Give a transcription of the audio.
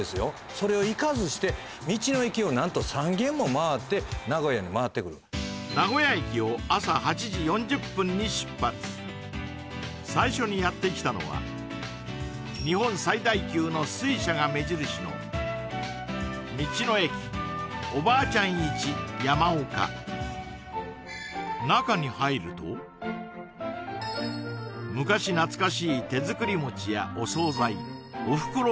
それを行かずして道の駅を何と３軒も回って名古屋に回ってくる名古屋駅を朝８時４０分に出発最初にやってきたのは日本最大級の水車が目印の昔懐かしい手作り餅やお惣菜おふくろ